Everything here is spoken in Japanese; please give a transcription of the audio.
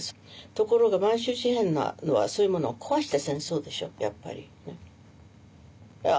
ところが満州事変はそういうものを壊した戦争でしょうやっぱり。